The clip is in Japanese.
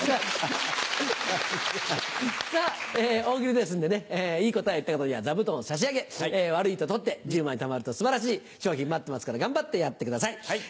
大喜利ですのでいい答えを言った方には座布団を差し上げ悪いと取って１０枚たまると素晴らしい賞品待ってますから頑張ってやってください。